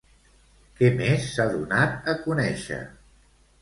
Què més s'ha donat a conèixer?